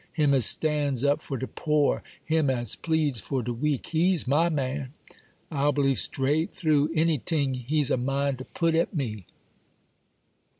Him as stands up for de poor,—him as pleads for de weak,—he's my man. I'll believe straight through anyting he's a mind to put at me.